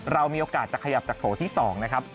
เรามีโอกาสจะขยับจากโถที่๒นะครับ